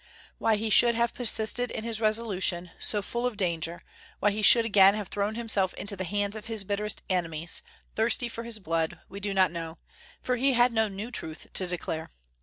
Why he should have persisted in his resolution, so full of danger; why he should again have thrown himself into the hands of his bitterest enemies, thirsty for his blood, we do not know, for he had no new truth to declare.